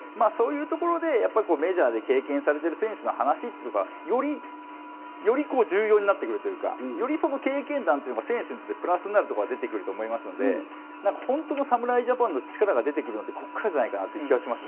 メジャーで経験されている方の話というのが、より重要になってくるというか、より経験談が選手にとってプラスになると思うので、本当の侍ジャパンの力が出てくるのは、ここからじゃないかなという気がします。